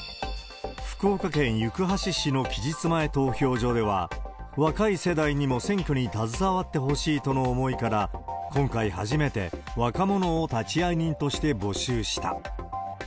福岡県行橋市の期日前投票所では、若い世代にも選挙に携わってほしいとの思いから、今回初めて、若者を立会人として募集した。